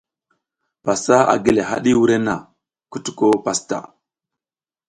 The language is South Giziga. Pasa a gi haɗi wurenna, kutuko pasta.